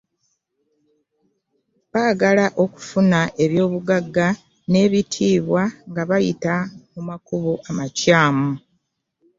Baagala okufuna eby'obugagga n'ebitiibwa nga bayita mu makubo amakyamu.